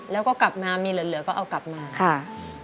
แล้วก็กลับมามีเหลือก็เอากลับมาค่ะ